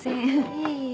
いえいえ。